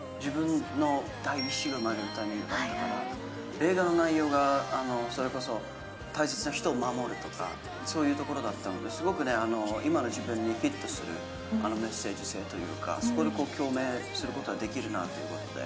映画の内容が、それこそ大切な人を守るとか、そういうところだったので、今の自分にフィットするメッセージ性というかそこで共鳴することができるなということで。